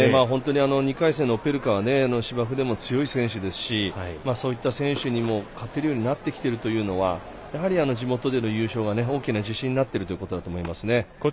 ２回戦の選手は芝生でも強い選手でそういった選手にも勝てるようになってきてるということでやはり地元での優勝が大きな自信になってるということだと思いますね。